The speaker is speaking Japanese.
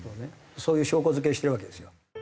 そういう証拠付けをしてるわけですよ。